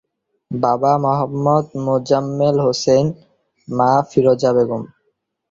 বাবা মোহাম্মদ মোজাম্মেল হোসেন, মা ফিরোজা বেগম।